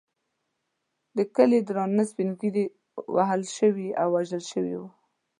د کلي درانه سپین ږیري وهل شوي او وژل شوي وو.